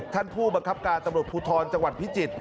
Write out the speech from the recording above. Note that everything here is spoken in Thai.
ท่านผู้บังคับการตำรวจภูทรจังหวัดพิจิตร